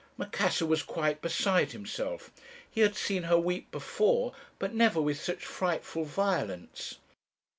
"Macassar was quite beside himself. He had seen her weep before, but never with such frightful violence.